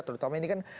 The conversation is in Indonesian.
terutama ini kan